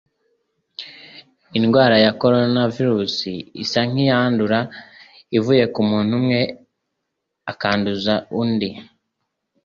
Indwara ya coronavirus isa nk'iyandura ivuye ku muntu umwe akayanduza und